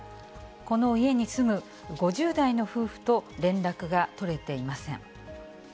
この家に住む５０代の夫婦と連絡が取れていません。